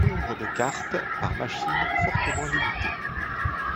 Nombre de cartes par machine fortement limité.